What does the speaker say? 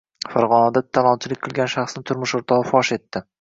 Farg‘onada talonchilik qilgan shaxsni turmush o‘rtog‘i fosh etdi